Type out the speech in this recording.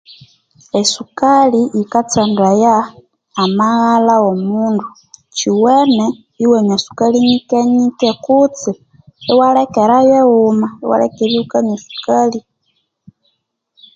Esukali yika tsandaya amaghalha w'omundu, kyowene iwanywa sukali nyike-nyike kutse iwalekera yighuma, iwa leka eribya ghukanywa esukali